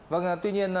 vâng tuy nhiên